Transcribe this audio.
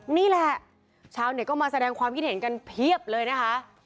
นี่แหละชาวเน็ตก็มาแสดงความคิดเห็นกันเพียบเลยนะคะ